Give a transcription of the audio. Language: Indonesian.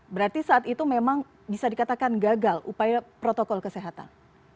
berarti saat itu memang bisa dikatakan gagal upaya protokol kesehatan